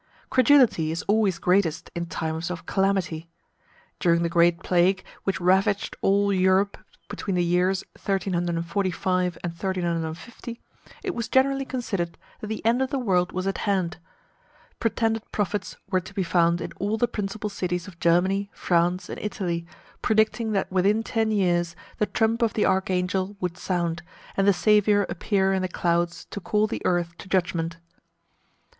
Credulity is always greatest in times of calamity. During the great plague, which ravaged all Europe between the years 1345 and 1350, it was generally considered that the end of the world was at hand. Pretended prophets were to be found in all the principal cities of Germany, France, and Italy, predicting that within ten years the trump of the archangel would sound, and the Saviour appear in the clouds to call the earth to judgment.